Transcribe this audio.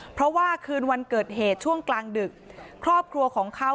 เพราะว่าคืนวันเกิดเหตุช่วงกลางดึกครอบครัวของเขา